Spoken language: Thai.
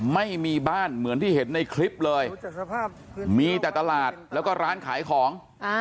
ไม่มีบ้านเหมือนที่เห็นในคลิปเลยมีแต่ตลาดแล้วก็ร้านขายของ